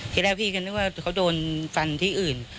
ทีแรกพี่ก็นึกว่าเขาโดนฟันที่อื่น